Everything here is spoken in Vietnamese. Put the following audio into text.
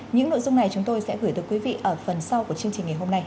những nội dung này chúng tôi sẽ gửi tới quý vị ở phần sau của chương trình ngày hôm nay